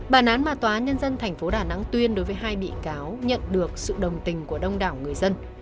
bản án mà tòa án nhân dân tp đà nẵng tuyên đối với hai bị cáo nhận được sự đồng tình của đông đảo người dân